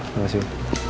terima kasih om